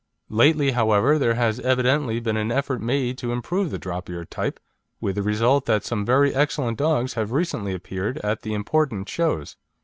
Lately, however, there has evidently been an effort made to improve the drop eared type, with the result that some very excellent dogs have recently appeared at the important shows.